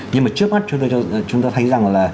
nhưng mà trước mắt chúng ta thấy rằng là